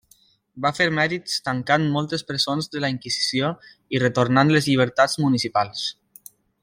Va fer mèrits tancant moltes presons de la inquisició i retornant les llibertats municipals.